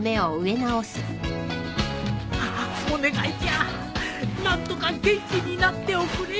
ああお願いじゃ何とか元気になっておくれ